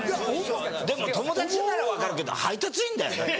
でも友達なら分かるけど配達員だよ？